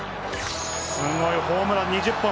すごいホームラン２０本。